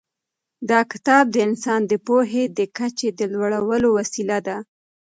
دا کتاب د انسان د پوهې د کچې د لوړولو وسیله ده.